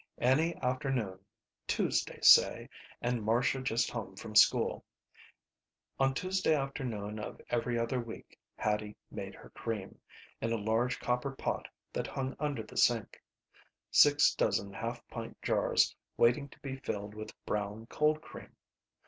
Any afternoon. Tuesday, say, and Marcia just home from school. On Tuesday afternoon of every other week Hattie made her cream, in a large copper pot that hung under the sink. Six dozen half pint jars waiting to be filled with Brown Cold Cream.